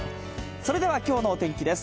それではきょうのお天気です。